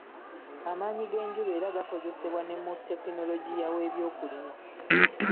Amaanyi g'enjuba era gakozesebwa ne mu tekinologiya w'ebyokulima